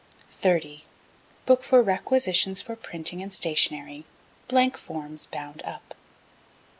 30. Book for requisitions for printing and stationery, (blank forms bound up.)